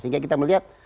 sehingga kita melihat